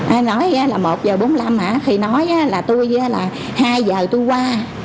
ai nói là một h bốn mươi năm hả khi nói là tôi là hai h tôi qua